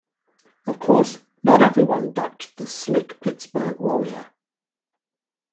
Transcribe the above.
Of course, not everyone ducked the slick Pittsburgh warrior.